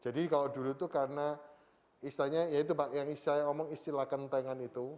jadi kalau dulu itu karena istilahnya ya itu pak yang saya omong istilah kentengan itu